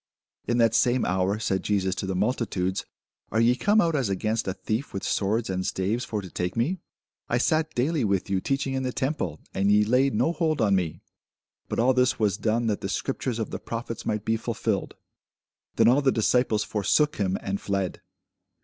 In that same hour said Jesus to the multitudes, Are ye come out as against a thief with swords and staves for to take me? I sat daily with you teaching in the temple, and ye laid no hold on me. But all this was done, that the scriptures of the prophets might be fulfilled. Then all the disciples forsook him, and fled.